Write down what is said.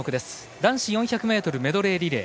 男子４００ｍメドレーリレー。